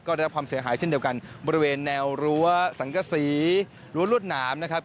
ก็ได้รับความเสียหายเช่นเดียวกันบริเวณแนวรั้วสังกษีรั้วรวดหนามนะครับ